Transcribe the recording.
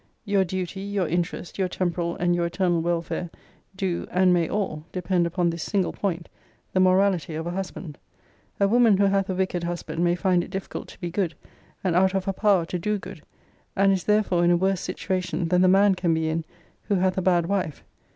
Your duty, your interest, your temporal and your eternal welfare, do, and may all, depend upon this single point, the morality of a husband. A woman who hath a wicked husband may find it difficult to be good, and out of her power to do good; and is therefore in a worse situation than the man can be in, who hath a bad wife.